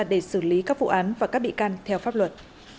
để xử lý các vụ án và các bị can theo pháp luật